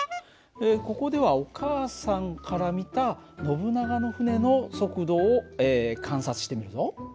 ここではお母さんから見たノブナガの船の速度を観察してみるぞ。